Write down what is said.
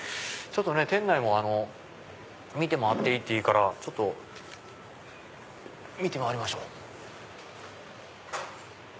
店内も見て回っていいっていうからちょっと見て回りましょう。